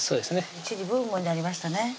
一時ブームになりましたね